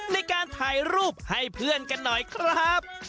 ในการถ่ายรูปให้เพื่อนกันหน่อยครับ